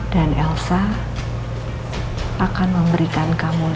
dan elsa akan memberikan kamu lima ratus juta